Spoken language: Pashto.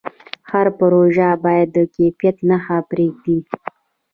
هر پروژه باید د کیفیت نښه پرېږدي.